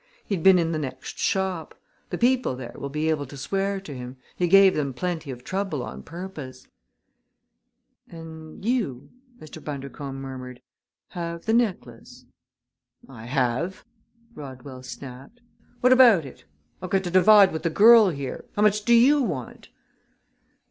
"He'd been in the next shop. The people there will be able to swear to him he gave them plenty of trouble on purpose." "And you," Mr. Bundercombe murmured, "have the necklace?" "I have!" Rodwell snapped. "What about it? I've got to divide with the girl here. How much do you want?"